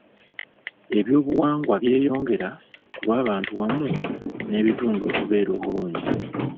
Ebyobuwangwa byeyongera ku lw'abantu wamu n'ebitundu okubeera obulungi.